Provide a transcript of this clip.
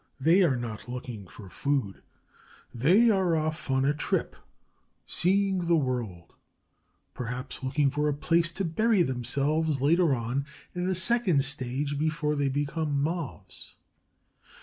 They are not looking for food; they are off on a trip, seeing the world, perhaps looking for a place to bury themselves later on, in the second stage before they become Moths.